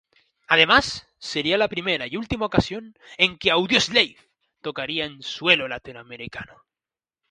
Además sería la primera y última ocasión en que Audioslave tocaría en suelo latinoamericano.